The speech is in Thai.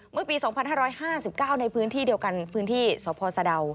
เมื่อปี๒๕๕๙ในพื้นที่เดียวกันพื้นที่สพสะดาว